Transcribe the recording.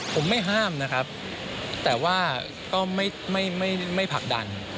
ผมไม่ห้ามนะครับแต่ว่าก็ไม่ผลักดัน